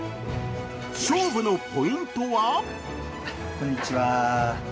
勝負のポイントは？